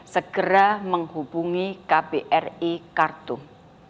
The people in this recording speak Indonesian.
segera menghubungi kbri khartoum